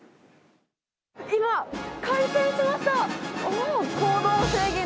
今、開店しました。